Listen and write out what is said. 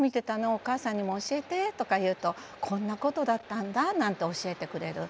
お母さんにも教えて」とか言うとこんなことだったんだなんて教えてくれる。